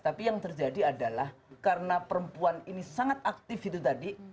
tapi yang terjadi adalah karena perempuan ini sangat aktif itu tadi